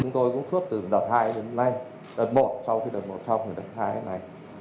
chúng tôi cũng suốt từ đợt hai đến nay đợt một sau khi đợt một xong đợt hai đến nay